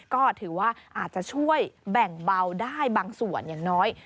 ก็ถือว่าอาจจะช่วยแบ่งเบาได้บางส่วนอย่างน้อย